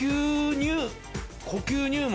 『呼吸入門』。